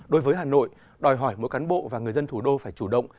đối với hà nội đòi hỏi mỗi cán bộ và người dân thủ đô phải chủ động